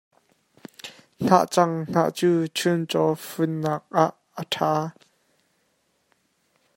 Hnahcang hnah cu chuncaw fun nak ah a ṭha.